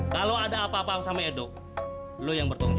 kalau ada apa apa sama edo lo yang bertemu